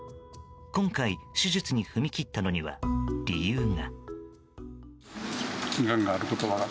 今回、手術に踏み切ったのには理由が。